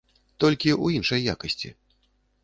Толькі ў іншай якасці.